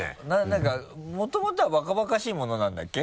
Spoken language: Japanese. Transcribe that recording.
何かもともとはバカバカしいものなんだっけ？